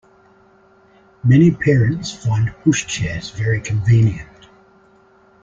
Many parents find pushchairs very convenient